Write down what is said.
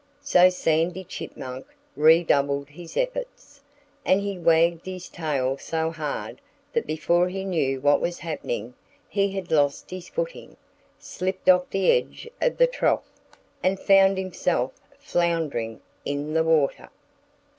So Sandy Chipmunk redoubled his efforts. And he wagged his tail so hard that before he knew what was happening he had lost his footing, slipped off the edge of the trough, and found himself floundering in the water.